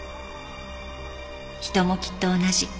「人もきっと同じ」